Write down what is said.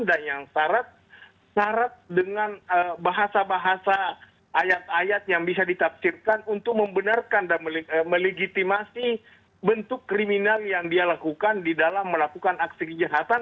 dan yang syarat dengan bahasa bahasa ayat ayat yang bisa ditafsirkan untuk membenarkan dan melegitimasi bentuk kriminal yang dia lakukan di dalam melakukan aksi kejahatan